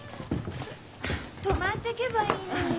泊まってけばいいのに。